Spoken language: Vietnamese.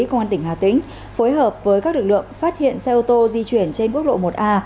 công an tỉnh hà tĩnh phối hợp với các lực lượng phát hiện xe ô tô di chuyển trên quốc lộ một a